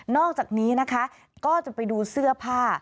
อกจากนี้นะคะก็จะไปดูเสื้อผ้า